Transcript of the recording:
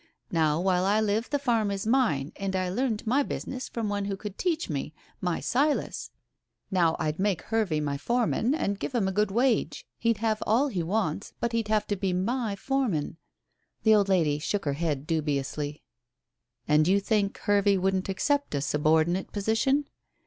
Now while I live the farm is mine, and I learned my business from one who could teach me my Silas. Now I'd make Hervey my foreman and give him a good wage. He'd have all he wants, but he'd have to be my foreman." The old lady shook her head dubiously. "And you think Hervey wouldn't accept a subordinate position?"